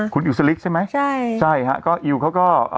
คุณอิวสลิกใช่ไหมใช่ใช่ฮะก็อิวเขาก็